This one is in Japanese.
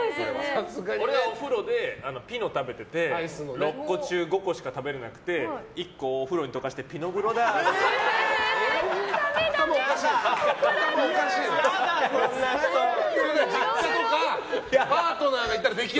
俺はお風呂でピノ食べてて６個中５個しか食べれなくて１個、お風呂に溶かしてピノ風呂だって。